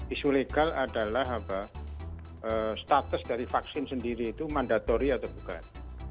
isu legal adalah status dari vaksin sendiri itu mandatori atau bukan